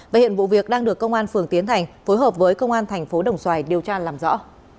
và hiện vụ việc đang được công an phường tiến thành phối hợp với công an thành phố đồng xoài điều tra làm rõ